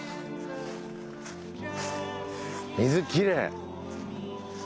水きれい。